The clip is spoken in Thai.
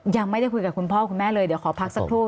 ยังไม่ได้คุยกับคุณพ่อคุณแม่เลยเดี๋ยวขอพักสักครู่